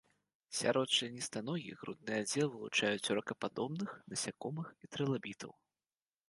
Сярод членістаногіх грудны аддзел вылучаюць у ракападобных, насякомых і трылабітаў.